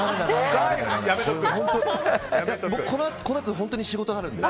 僕、このあと本当に仕事あるんで。